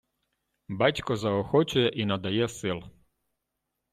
Батько заохочує і надає сил.